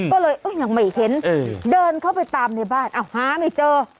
ก็เลยยังไม่เห็นเดินเข้าไปตามในบ้านอ้าวหาไม่เจอ